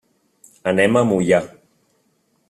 Anem a Moià.